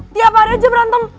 tiap hari aja berantem